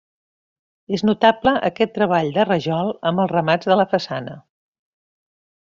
És notable aquest treball del rajol amb els remats de la façana.